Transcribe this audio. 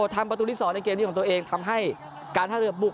ต่อสี่ครับ